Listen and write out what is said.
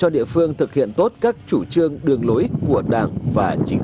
địa phương thực hiện tốt các chủ trương đường lối của đảng và chính phủ